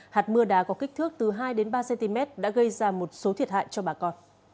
hạt mưa đá có kích thước từ hai đến ba cm đã gây ra một trận mưa rào